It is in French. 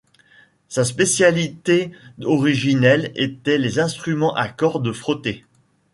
Sa spécialité originelle était les instruments à cordes frottées.